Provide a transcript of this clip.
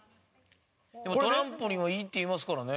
でもトランポリンはいいっていいますからね。